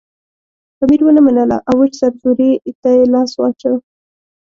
امیر ونه منله او وچ سرزوری ته لاس واچاوه.